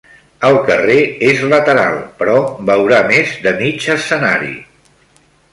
El carrer és lateral, però veurà més de mig escenari.